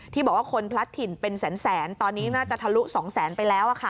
ที่บอกว่าคนพลัดถิ่นเป็นแสนแสนตอนนี้น่าจะทะลุสองแสนไปแล้วอะค่ะ